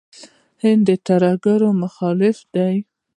هند د ترهګرۍ مخالف دی.